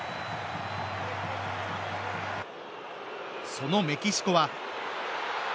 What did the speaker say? そのメキシコは。